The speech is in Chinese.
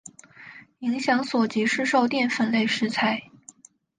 影响所及市售淀粉类食材。